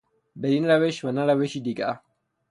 بدین روش و نه روشی دیگر